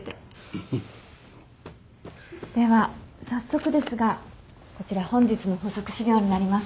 フフ。では早速ですがこちら本日の補足資料になります。